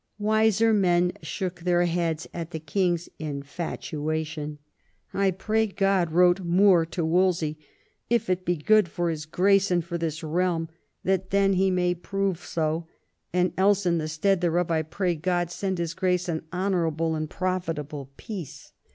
'' Wiser men shook their heads at the king's infatuation. " I pray Gk)d," wrote More to Wolsey, " if it be good for his Grace and for this realm that then it may prove VI THE IMPERUL ALLIANCE 97 SO ; and else in the stead thereof I pray God send his grace an honourable and profitable peace."